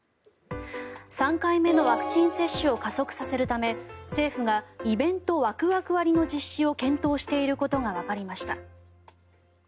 ３回目のワクチン接種を加速させるため政府がイベントワクワク割の実施を検討していることがわかりました。